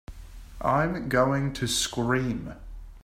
I'm going to scream!